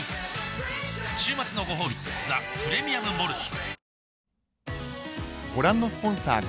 週末のごほうび「ザ・プレミアム・モルツ」おおーー